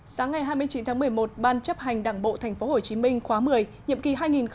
sáng ngày hai mươi chín tháng một mươi một ban chấp hành đảng bộ tp hcm khóa một mươi nhiệm kỳ hai nghìn một mươi năm hai nghìn hai mươi